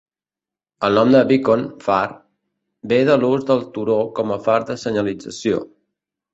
El nom de Beacon, far, ve de l'ús del turó com a far de senyalització.